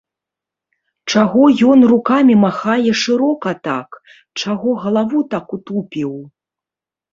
Чаго ён рукамі махае шырока так, чаго галаву так утупіў?